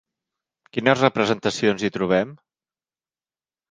Quines representacions hi trobem?